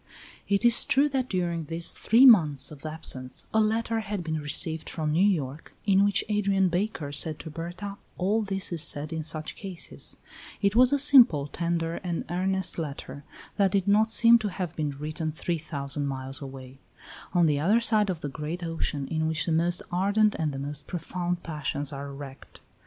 It is true that during these three months of absence a letter had been received from New York, in which Adrian Baker said to Berta all that is said in such cases; it was a simple, tender and earnest letter, that did not seem to have been written three thousand miles away; on the other side of the great ocean in which the most ardent and the most profound passions are wrecked.